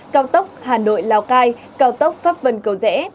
cao tốc hà nội lào cai cao tốc pháp vân cầu rẽ